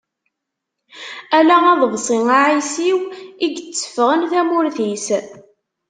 Ala aḍebsi aɛisiw, i yetteffɣen tamurt-is.